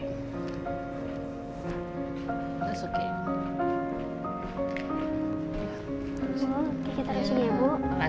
terima kasih ya